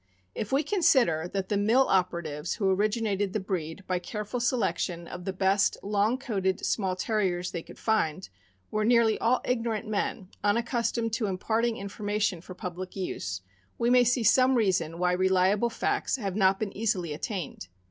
If we consider that the mill operatives who originated the breed by careful selection of the best long coated small Terriers they could find were nearly all ignorant men, unaccustomed to imparting information for public use, we may see some reason why reliable facts have not been easily attained.